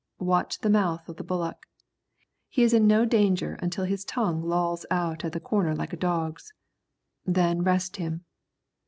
Watch the mouth of the bullock. He is in no danger until his tongue lolls out at the corner like a dog's. Then rest him.